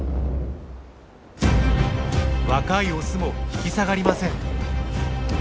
若いオスも引き下がりません。